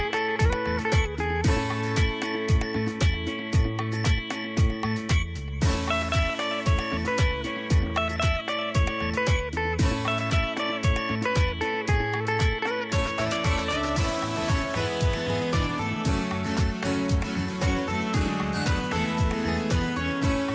โปรดติดตามตอนต่อไป